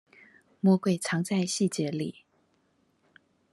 魔鬼藏在細節裡